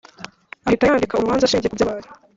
ahita yandika urubanza ashingiye ku byabaye